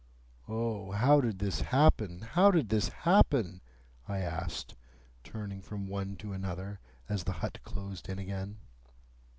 "O, how did this happen, how did this happen?" I asked, turning from one to another as the hut closed in again.